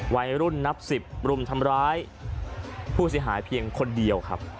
วัยรุ่นนับสิบรุมทำร้ายผู้เสียหายเพียงคนเดียวครับ